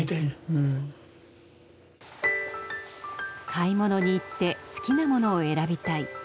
買い物に行って好きなものを選びたい。